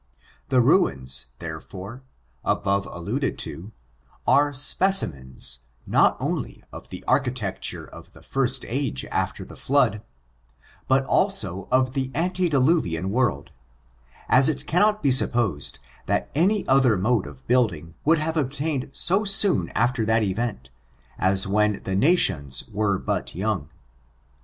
The rumSi therefore, above alluded to, are specimens^ not only of the architecture of the first age after the flood, but also of the antediluvian world, as it cannot be sup* posed that any other mode of building would have obtained so soon after that event, and when the na tions were but young.